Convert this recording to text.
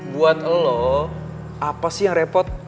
buat lo apa sih yang repot